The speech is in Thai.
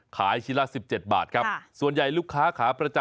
ขายชิ้นละสิบเจ็ดบาทครับค่ะส่วนใหญ่ลูกค้าขาประจำ